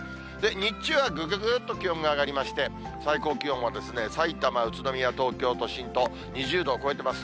日中は、ぐぐぐっと気温が上がりまして、最高気温はですね、さいたま、宇都宮、東京都心と、２０度を超えてます。